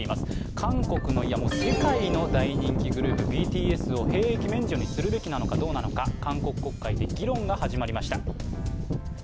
韓国の、いや世界の大人気グループＢＴＳを兵役免除にするべきなのかどうなのか韓国国会で議論が始まりました。